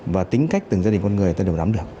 và tính cách từng gia đình con người ta đều nắm được